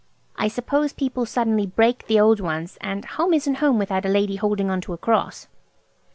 I suppose people suddenly break the old ones, and home isn't home without a lady holding on to a cross."